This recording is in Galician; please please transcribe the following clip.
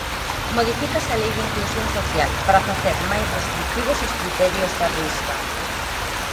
Modifícase a Lei de inclusión social, para facer máis restritivos os criterios da Risga.